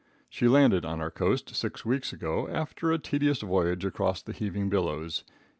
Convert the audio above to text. She landed on our coast six weeks ago, after a tedious voyage across the heaving billows.